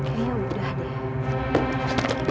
kayaknya udah deh